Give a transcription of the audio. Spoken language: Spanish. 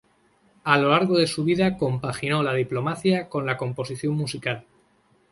A lo largo de su vida compaginó la diplomacia con la composición musical.